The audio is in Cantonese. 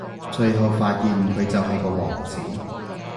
最後發現佢就係個王子